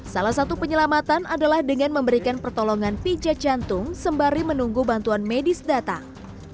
salah satu penyelamatan adalah dengan memberikan pertolongan pijat jantung sembari menunggu bantuan medis datang